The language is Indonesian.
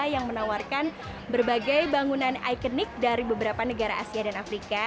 yang menawarkan berbagai bangunan ikonik dari beberapa negara asia dan afrika